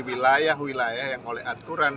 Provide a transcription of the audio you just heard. wilayah wilayah yang oleh aturan